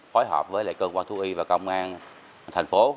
hối hợp với cơ quan thú y và công an thành phố